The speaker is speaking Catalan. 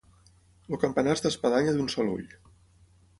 El campanar és d'espadanya d'un sol ull.